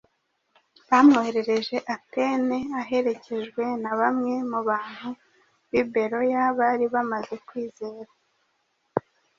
bamwohereje Atene aherekejwe na bamwe mu bantu b’ i Beroya bari bamaze kwizera.